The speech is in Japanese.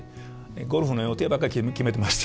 ゴルフの予定ばっか決めてました。